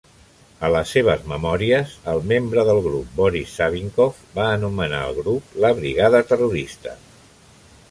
A les seves memòries, el membre del grup Boris Savinkov va anomenar el grup la "Brigada terrorista".